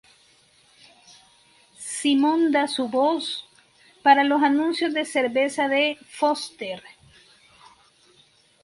Simon da su voz para los anuncios de cerveza de "Foster".